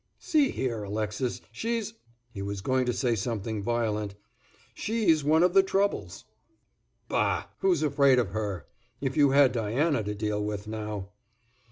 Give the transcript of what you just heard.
"See here, Alexis, she's—" he was going to say something violent—"she's one of the troubles." "Bah! Who's afraid of her! If you had Diana to deal with, now."